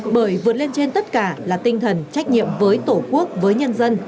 bởi vượt lên trên tất cả là tinh thần trách nhiệm với tổ quốc với nhân dân